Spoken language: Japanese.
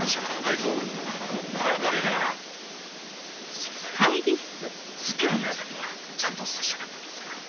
すいません『スッキリ』の皆さんにはちゃんとお伝えしたかったんですが。